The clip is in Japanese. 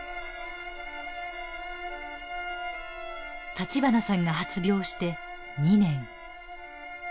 立花さんが発病して２年。